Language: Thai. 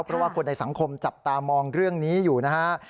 เพราะว่าคนในสังคมจับตามองเรื่องนี้อยู่นะฮะ